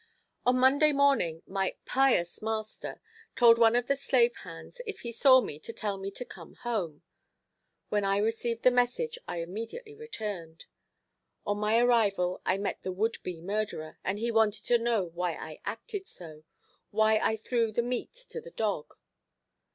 On Monday morning my pious master told one of the slave hands if he saw me to tell me to "come home!" When I received the message I immediately returned. On my arrival I met the would be murderer, and he wanted to know "why I acted so; why I threw the meat to the dog?"